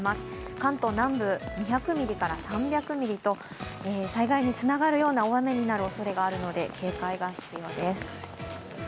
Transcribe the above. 関東南部２００ミリから３００ミリと災害につながるような大雨になる、おそれがあるので警戒が必要です。